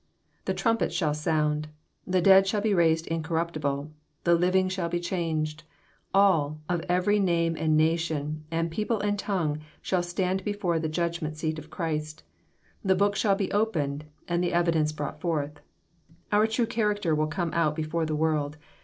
The trumpet shall sound. The dead shall be raised incormptiblet The living shall be changed. All, of every name and nation, and people and tongue, shall stand before the judgment seat of Christ. The books shall be opened, and the evi dence brought forth. Our true character will come oat before the world.